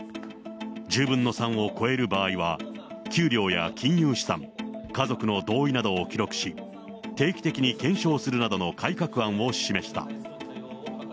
１０分の３を超える場合は、給料や金融資産、家族の同意などを記録し、定期的に検証するなどの改革案を示した。